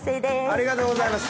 ありがとうございます。